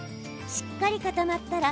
しっかり固まったら